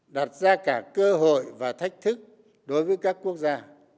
đặt ra cả cơ hội và thách thức đối với các quốc gia